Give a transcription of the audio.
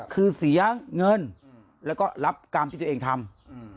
คือเสียเงินแล้วก็รับกรรมที่ตัวเองทำ